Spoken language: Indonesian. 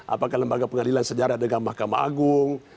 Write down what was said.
apakah lembaga pengadilan sejarah dengan mahkamah agung